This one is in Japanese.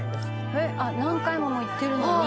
「えっ何回も行ってるのに」